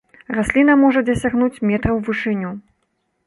Расліна можа дасягнуць метра ў вышыню.